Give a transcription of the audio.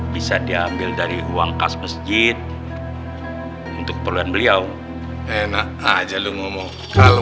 bisa diambil dari uang khas masjid untuk keperluan beliau enak aja lu ngomong kalau